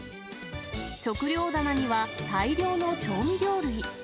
食料棚には大量の調味料類。